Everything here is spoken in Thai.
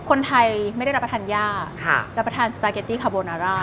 คนไทยไม่ได้รับประทานย่ารับประทานสปาเกตตี้คาโบนาร่า